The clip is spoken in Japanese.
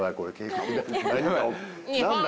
何だ